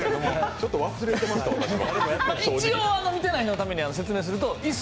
ちょっと忘れてました、私は。